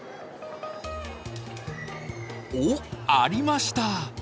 おっ！ありました。